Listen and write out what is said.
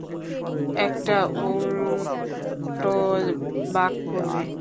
একটা উল্টো বাঁক পড়বে।